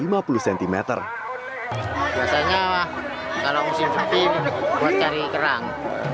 biasanya kalau musim sempit buat cari kerang